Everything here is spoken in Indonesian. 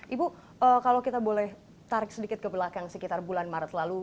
ibu kalau kita boleh tarik sedikit ke belakang sekitar bulan maret lalu